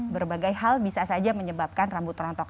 berbagai hal bisa saja menyebabkan rambut rontok